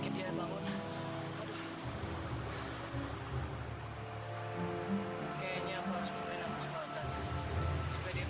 tadi nang ini tenggelam